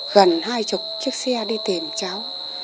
gần hai chục chiếc xe đi tìm cháu